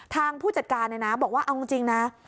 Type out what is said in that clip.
ผู้จัดการเนี่ยนะบอกว่าเอาจริงนะ